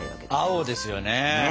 青ですよね！